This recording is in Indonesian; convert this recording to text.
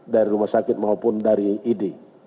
dari rumah sakit maupun dari id